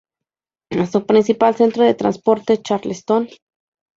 Su principal centro de transportes es Charleston.